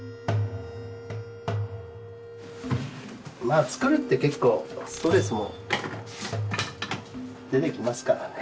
まあ作るって結構ストレスも出てきますからね。